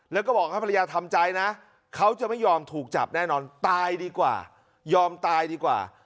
แล้วก็บอกให้ภรรยาทำใจนะเขาจะไม่ยอมถูกจับแน่นอนตายดีกว่ายอมตายดีกว่า